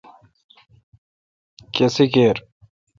کھسی کیر۔